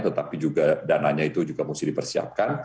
tetapi juga dananya itu juga mesti dipersiapkan